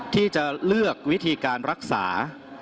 ที่จะเลือกวิธีการรักษา